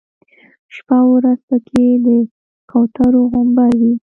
شپه او ورځ په کې د کوترو غومبر وي.